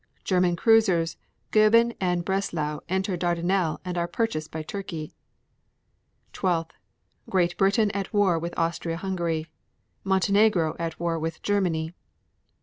German cruisers Goeben and Breslau enter Dardanelles and are purchased by Turkey. 12. Great Britain at war with Austria Hungary. 12. Montenegro at war with Germany.